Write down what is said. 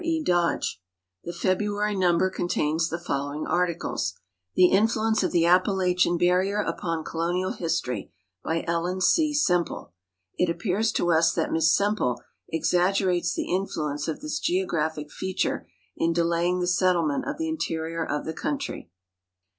E. Dodge. The Feliruary nmu ber contains the following articles: '*The Influence of tiie Appalachian Barrier upon Colonial History," by Kllen C. Setnple. It appears to us that Miss Semple exaggerates the influence of this geographic feature in delaying the settlement of the interior of the country.